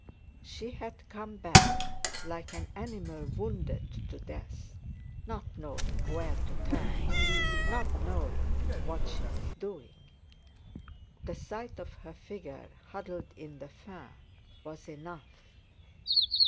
She had come back like an animal wounded to death, not knowing where to turn, not knowing what she was doing. The sight of her figure, huddled in the fur, was enough.